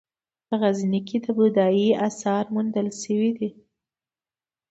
په غزني کې د بودايي اثار موندل شوي